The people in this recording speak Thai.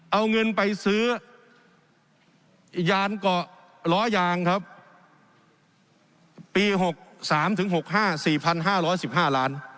เอาเงินไปซื้อยานเกาะล้อยางครับปีหกสามถึงหกห้าสี่พันห้าร้อยสิบห้าร้าน